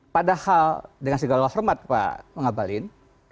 padahal dengan segala hormat pak ngabalin